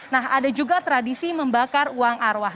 nah ada juga tradisi membakar uang arwah